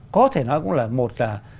có thể nói cũng là một